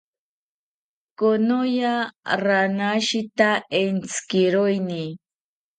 Konoya ranashita entzikiroini